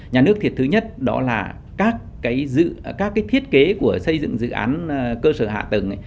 nhà nước thiệt thứ nhất đó là các cái thiết kế của xây dựng dự án cơ sở hạ tầng